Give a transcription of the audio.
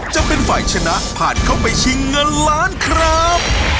จะเป็นฝ่ายชนะผ่านเข้าไปชิงเงินล้านครับ